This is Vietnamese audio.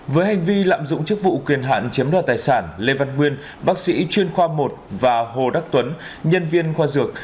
với hành vi lạm dụng chức vụ quyền hạn chiếm đoạt tài sản lê văn nguyên bác sĩ chuyên khoa một và hồ đắc tuấn nhân viên khoa dược